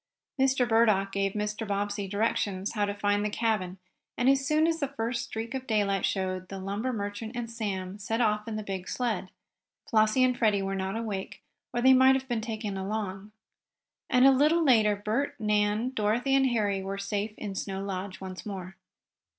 Mr. Burdock gave Mr. Bobbsey directions how to find the cabin, and, as soon as the first streak of daylight showed, the lumber merchant and Sam set off in the big sled. Flossie and Freddie were not awake, or they might have been taken along. And a little later Bert, Nan, Dorothy and Harry were safe in Snow Lodge once more.